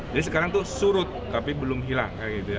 jadi sekarang itu surut tapi belum hilang